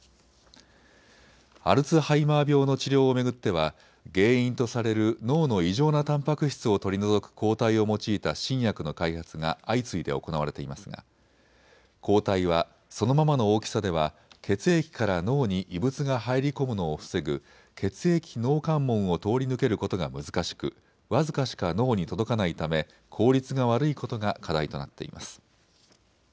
アルツハイマー病の治療を巡っては原因とされる脳の異常なたんぱく質を取り除く抗体を用いた新薬の開発が相次いで行われていますが抗体は、そのままの大きさでは血液から脳に異物が入り込むのを防ぐ血液脳関門を通り抜けることが難しく僅かしか脳に届かないため効率が悪いことが課題となっています。